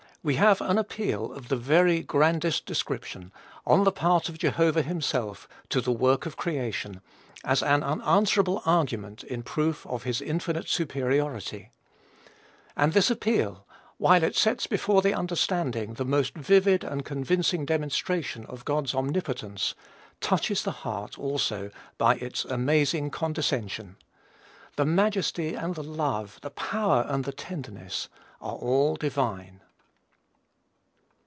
we have an appeal of the very grandest description, on the part of Jehovah himself, to the work of creation, as an unanswerable argument in proof of his infinite superiority; and this appeal, while it sets before the understanding the most vivid and convincing demonstration of God's omnipotence, touches the heart, also, by its amazing condescension. The majesty and the love, the power and the tenderness, are all divine.